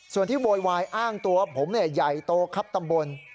ส่วนที่โวยวายอ้างตัวผมใหญ่โตครับตำบล